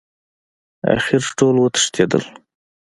اخر ټول وتښتېدل.